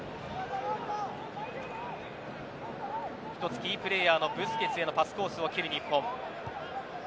キープレーヤーのブスケツへのパスコースを切る日本。